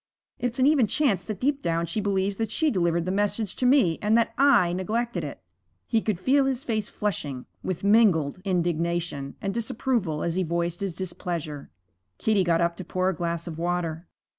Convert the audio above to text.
It's an even chance that deep down she believes that she delivered the message to me, and that I neglected it.' He could feel his face flushing with mingled indignation and disapproval as he voiced his displeasure. Kitty got up to pour a glass of water.